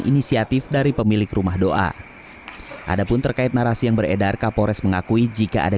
inisiatif dari pemilik rumah doa adapun terkait narasi yang beredar kapolres mengakui jika ada